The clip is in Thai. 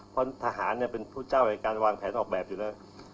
เพราะทหารเป็นผู้เจ้าในการวางแผนออกแบบอยู่แล้ว